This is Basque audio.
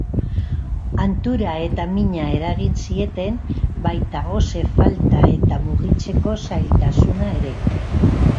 Hantura eta mina eragin zieten, baita gose falta eta mugitzeko zailtasuna ere.